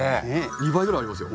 ２倍ぐらいありますよ。